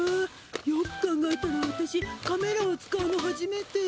よく考えたらわたしカメラを使うのはじめて。